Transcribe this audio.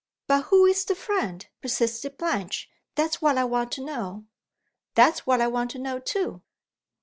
"But who is the friend?" persisted Blanche. "That's what I want to know." "That's what I want to know, too."